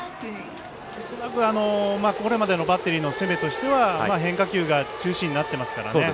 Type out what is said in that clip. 恐らく、これまでのバッテリーの攻めとしては変化球が中心になってますからね。